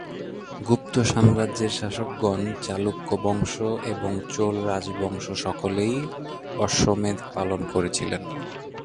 গুপ্ত সাম্রাজ্যের শাসকগণ, চালুক্য বংশ এবং চোল রাজবংশ সকলেই অশ্বমেধ পালন করেছিলেন।